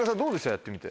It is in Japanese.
やってみて。